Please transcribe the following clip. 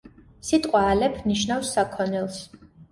სიტყვა ალეფ ნიშნავს საქონელს.